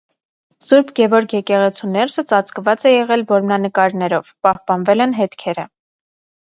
Սուրբ Գևորգ եկեղեցու ներսը ծածկված է եղել որմնանկարներով (պահպանվել են հետքերը)։